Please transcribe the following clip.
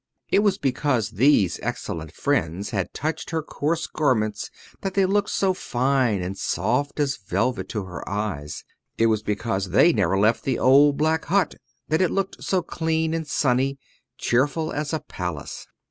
It was because these excellent friends had touched her coarse garments that they looked fine and soft as velvet to her eyes; it was because they never left the old black hut that it looked so clean and sunny cheerful as a palace.